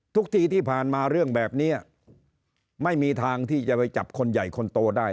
ทุกทีที่ผ่านมาเรื่องแบบนี้ไม่มีทางที่จะไปจับคนใหญ่คนโตได้